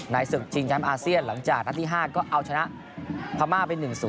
ศึกชิงแชมป์อาเซียนหลังจากนัดที่๕ก็เอาชนะพม่าไป๑๐